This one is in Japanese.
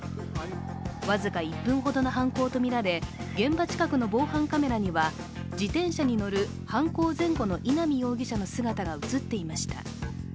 僅か１分ほどの犯行とみられ現場近くの防犯カメラには、自転車に乗る犯行前後の稲見容疑者の姿が映っていました。